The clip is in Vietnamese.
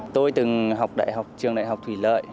tôi từng học trường đại học thủy lợi